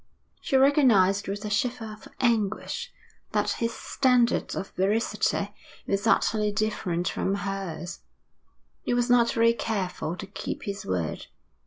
She recognised with a shiver of anguish that his standard of veracity was utterly different from hers. He was not very careful to keep his word.